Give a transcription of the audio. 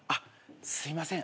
すいません。